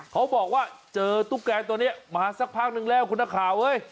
เขาบอกว่าเจอตุ๊กแกตัวนี้มาสักพักนึงแล้วคุณนักข่าวเฮ้ย